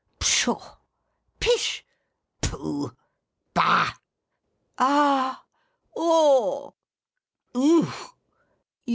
Pshaw! Pish! Pooh! Bah! Ah! Au !